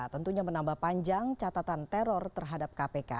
tentunya menambah panjang catatan teror terhadap kpk